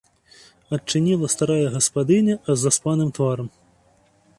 Адчыніла старая гаспадыня з заспаным тварам.